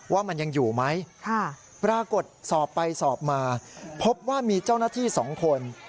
ว่ามันยังอยู่ไหมปรากฏสอบไปสอบมาพบว่ามีเจ้าหน้าที่สองคน